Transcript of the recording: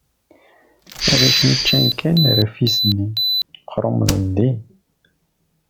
Arrac-nni ččan kan rfis-nni, qrumten din.